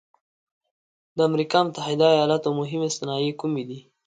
د امریکا متحد ایلاتو مهمې صنایع کومې دي؟